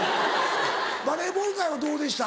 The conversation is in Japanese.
バレーボール界はどうでした？